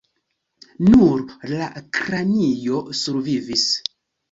Nur la kranio survivis.